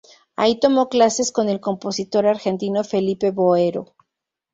Ahí tomó clases con el compositor argentino Felipe Boero.